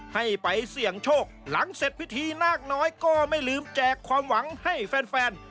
ให้ไปเสี่ยงโชคหลังเสร็จพิธีนาคน้อยก็ไม่ลืมแจกความหวังให้แฟน